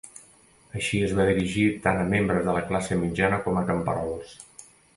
Així es va dirigir tant a membres de la classe mitjana com a camperols.